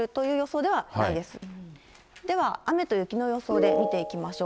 では、雨と雪の予想で見ていきましょう。